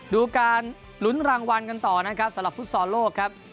ดูการลุ้นรางวัลกันต่อนะครับสำหรับฟุตซอลโลกครับ